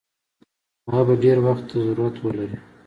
هغه به ډېر وخت ته ضرورت ولري.